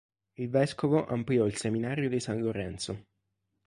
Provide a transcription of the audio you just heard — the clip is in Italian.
Il vescovo ampliò il seminario di San Lorenzo.